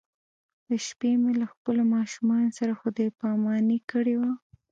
د شپې مې له خپلو ماشومانو سره خدای پاماني کړې وه.